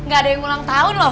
gak ada yang ulang tahun loh